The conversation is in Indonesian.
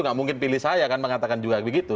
nggak mungkin pilih saya kan mengatakan juga begitu